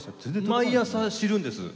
だから毎朝知るんです。